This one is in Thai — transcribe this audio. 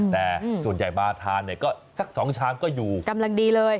แต่ส่วนใหญ่มาทานเนี่ยก็สัก๒ชามก็อยู่กำลังดีเลย